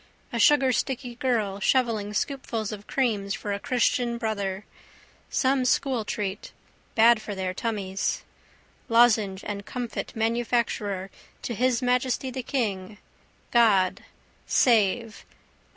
A sugarsticky girl shovelling scoopfuls of creams for a christian brother. Some school treat. Bad for their tummies. Lozenge and comfit manufacturer to His Majesty the King. God. Save.